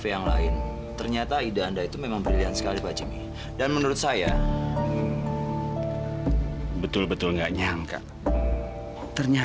jangan lupa like share dan subscribe ya